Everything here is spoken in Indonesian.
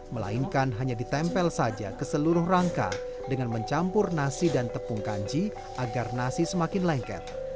melainkan hanya ditempel saja ke seluruh rangka dengan mencampur nasi dan tepung kanji agar nasi semakin lengket